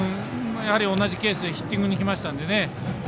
やはり同じケースでヒッティングにいきましたので。